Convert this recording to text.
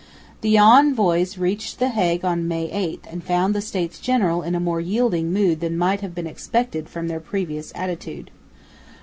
The envoys reached the Hague on May 8, and found the States General in a more yielding mood than might have been expected from their previous attitude.